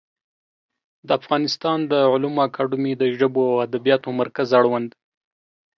د افغانستان د علومو اکاډمي د ژبو او ادبیاتو مرکز اړوند